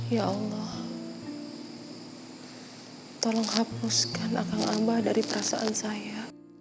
ya allah tolong hapuskan akang abah dari perasaan saya